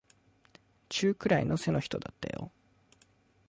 中くらいの背の人だったよ。